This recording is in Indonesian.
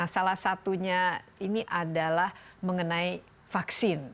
salah satunya ini adalah mengenai vaksin